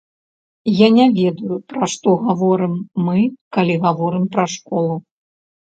Я не ведаю, пра што гаворым мы, калі гаворым пра школу.